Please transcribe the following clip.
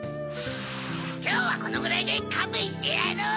きょうはこのぐらいでかんべんしてやる！